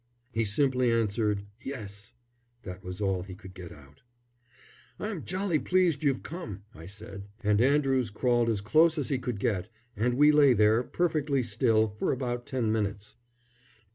He simply answered "Yes." That was all he could get out. "I'm jolly pleased you've come," I said, and Andrews crawled as close as he could get, and we lay there, perfectly still, for about ten minutes.